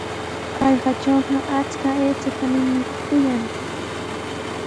Hallqatrawqa achka aychatami mikuyan.